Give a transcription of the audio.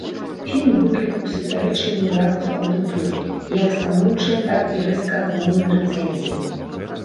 Фільм выклікаў супярэчлівую рэакцыю аўдыторыі, як станоўчыя, так і рэзка адмоўныя рэцэнзіі.